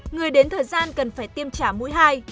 người đến thời gian cần phải tiêm trả mũi hai